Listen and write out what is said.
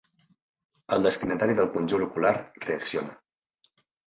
El destinatari del conjur ocular reacciona.